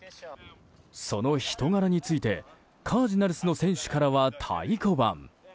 その人柄についてカージナルスの選手からは太鼓判。